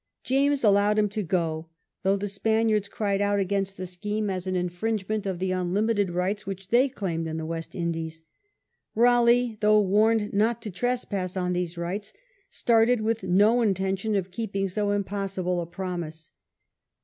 James allowed him to go, though the Spaniards cried out against the scheme as an infringement of the unlimited rights which they claimed in the West Indies. Raleigh, though warned not to trespass on these rights, started with no intention of keeping so impossible a promise.